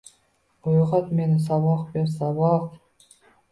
Uygʼot meni, saboq ber, saboq